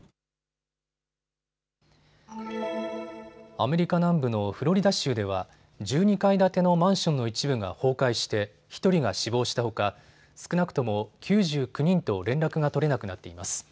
アメリカ南部のフロリダ州では１２階建てのマンションの一部が崩壊して１人が死亡したほか少なくとも９９人と連絡が取れなくなっています。